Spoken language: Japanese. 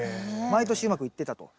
毎年うまくいってたと。